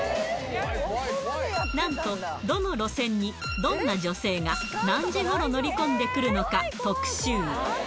なんとどの路線に、どんな女性が、何時ごろ乗り込んでくるのか特集。